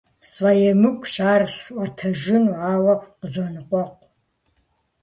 СфӀэемыкӀущ ар сӀуэтэжыну, ауэ къызоныкъуэкъу.